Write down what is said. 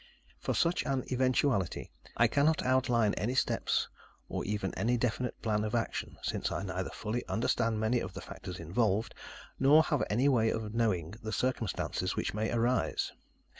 For such an eventuality, I cannot outline any steps, or even any definite plan of action, since I neither fully understand many of the factors involved, nor have any way of knowing the circumstances which may arise.